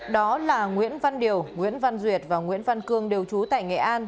đó là nguyễn văn điều nguyễn văn duyệt và nguyễn văn cương đều trú tại nghệ an